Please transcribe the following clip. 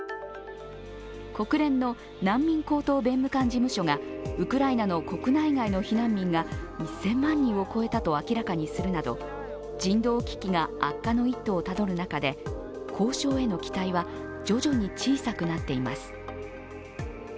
国連の難民高等弁務官事務所がウクライナの国内外の避難民が１０００万人を超えたと明らかにするなど人道危機が悪化の一途をたどる中で交渉への期待は徐々に小さくなっています。